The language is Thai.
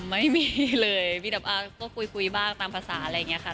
ไม่มีเลยมีดับอาร์ก็คุยบ้างตามภาษาอะไรอย่างนี้ค่ะ